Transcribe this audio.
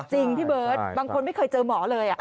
พี่เบิร์ตบางคนไม่เคยเจอหมอเลย